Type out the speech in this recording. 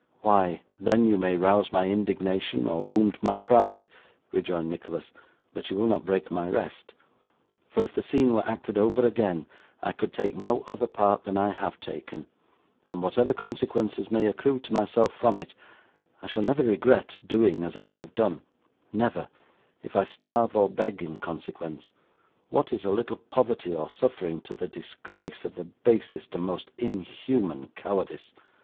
'Why, then you may rouse my indignation or wound my pride,' rejoined Nicholas; 'but you will not break my rest; for if the scene were acted over again, I could take no other part than I have taken; and whatever consequences may accrue to myself from it, I shall never regret doing as I have done never, if I starve or beg in consequence. What is a little poverty or suffering, to the disgrace of the basest and most inhuman cowardice!